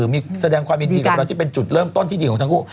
มีแสดงความยินดีกับเราที่เป็นจุดเริ่มต้นที่ดีของทั้งคู่